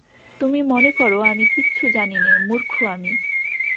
তুমি মনে কর আমি কিচ্ছু জানি নে, মুর্খু আমি!